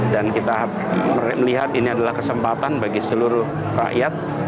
dan kita melihat ini adalah kesempatan bagi seluruh rakyat